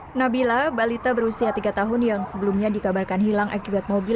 hai nabila balita berusia tiga tahun yang sebelumnya dikabarkan hilang akibat mobil